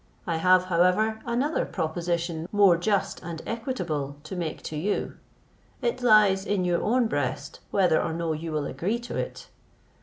I have, however, another proposition more just and equitable to make to you; it lies in your own breast whether or no you will agree to it.